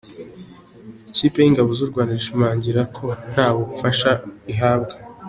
Ikipe yingabo z’urwanda irashimangira ko nta bufasha ihabwa